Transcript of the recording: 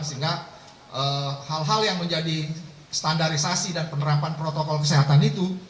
sehingga hal hal yang menjadi standarisasi dan penerapan protokol kesehatan itu